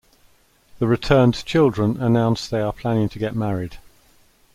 The returned children announce that they are planning to get married.